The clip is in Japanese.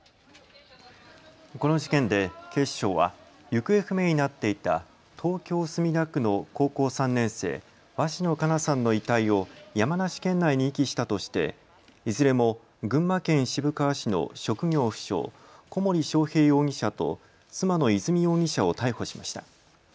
この事件で警視庁は行方不明になっていた東京墨田区の高校３年生、鷲野花夏さんの遺体を山梨県内に遺棄したとしていずれも群馬県渋川市の職業不詳、小森章平容疑者と妻の和美容疑者を逮捕しました。